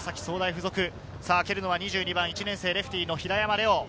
蹴るのは２２番の１年生レフティーの平山零音。